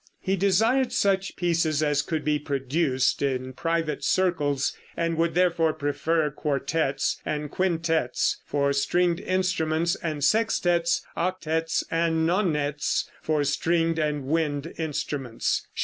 '" He desired such pieces as could be produced in private circles, and would therefore prefer quartettes and quintettes for stringed instruments, and sextettes, octettes and nonettes for stringed and wind instruments.